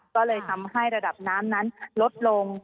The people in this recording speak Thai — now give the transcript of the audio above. ก็เลยทำให้ระดับน้ำนั้นลดลง